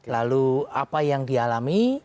lalu apa yang dialami